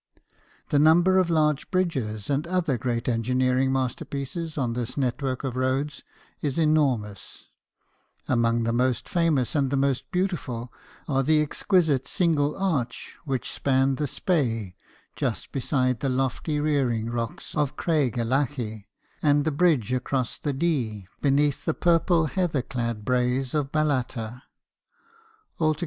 The number of large bridges and other great engineering masterpieces on this network of roads is enormous ; among the most famous and the most beautiful, are the exquisite single arch which spans the Spey just beside the lofty rearing rocks of Craig Ellachie, and the bridge across the Dee, beneath the purple heather clad braes of Ballater. Alto THOMAS TELFORD, STONEMASON.